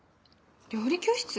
料理教室？